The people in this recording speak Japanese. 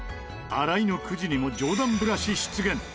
新井のくじにも上段ブラシ出現。